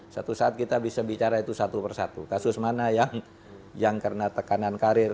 satu saat kita bisa bicara itu satu persatu kasus mana yang karena tekanan karir